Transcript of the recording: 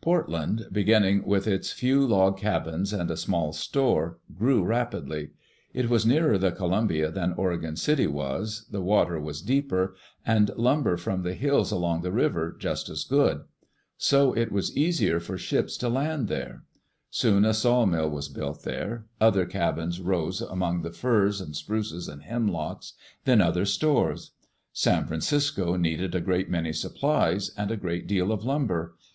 Portland, beginning with its few log cabins and a small store, grew rapidly. It was nearer the Columbia than Oregon City was, the water was deeper, and lumber from the hills along the river just as good. So it was easier [i8o] Digitized by CjOOQ IC THE BEGINNINGS OF CITIES for ships to land there. Soon a sawmill was built there. Other cabins rose among the firs and spruces and hem locks; then other stores. San Francisco needed a great many supplies and a great deal of lumber.